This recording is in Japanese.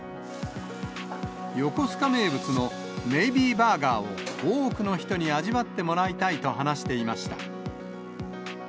横須賀名物のネイビーバーガーを多くの人に味わってもらいたいと話していました。